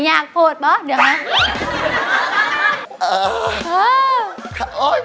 เฮ้ยมาสิงยากโถตพอเดี๋ยวหักน้องลำไย